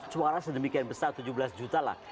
suara sedemikian besar tujuh belas juta lah